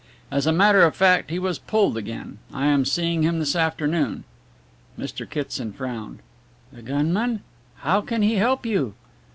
As a matter of fact, he was pulled again. I am seeing him this afternoon." Mr. Kitson frowned. "The gunman how can he help you?"